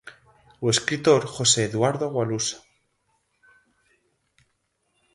O escritor José Eduardo Agualusa.